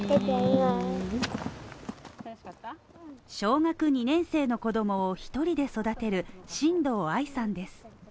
小学２年生の子供を１人で育てる新藤愛さんです。